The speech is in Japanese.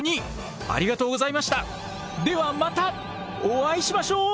ではまたお会いしましょう！